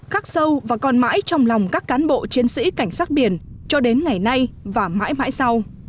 khắc sâu và còn mãi trong lòng các cán bộ chiến sĩ cảnh sát biển cho đến ngày nay và mãi mãi sau